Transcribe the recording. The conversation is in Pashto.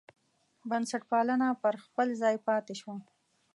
بنسټپالنه پر خپل ځای پاتې شوه.